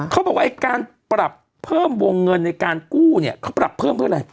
เขาบอกว่าการปรับเพิ่มวงเงินในการกู้เนี่ยเขาปรับเพิ่มเพื่ออะไร